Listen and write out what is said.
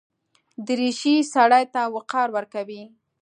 دریشي سړي ته وقار ورکوي.